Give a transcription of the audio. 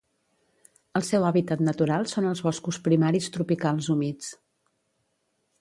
El seu hàbitat natural són els boscos primaris tropicals humits.